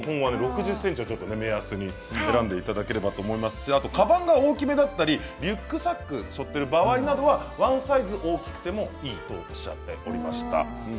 ６０ｃｍを目安に選んでいただければと思いますしかばんが大きめだったりリュックサックをしょっている場合などはワンサイズ大きくてもいいとおっしゃっていました。